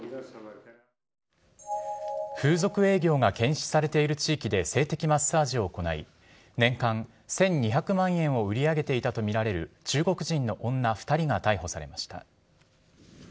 風俗営業が禁止されている地域で性的マッサージを行い年間１２００万円を売り上げていたとみられる中国人の女２人が逮捕されました。